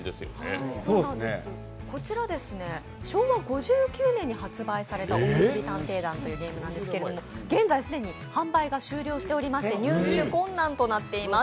こちら、昭和５９年に発売された「おむすび探偵団」というゲームなんですけど、現在既に販売が終了しておりまして、入手困難となっております。